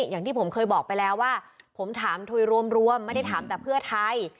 อย่างที่ผมเคยบอกไปแล้วว่าผมถามทุยรวมไม่ได้ถามแต่เพื่อไทย